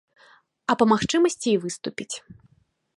А па магчымасці і выступіць.